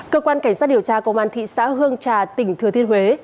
cơ quan cảnh sát điều tra công an thị xã hương trà tỉnh thừa thiên huế